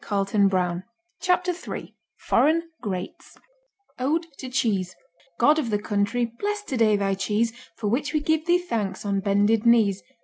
Chapter Three Foreign Greats Ode to Cheese God of the country, bless today Thy cheese, For which we give Thee thanks on bended knees.